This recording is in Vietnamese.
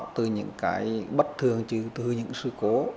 từ những cái bất thường từ những sự cố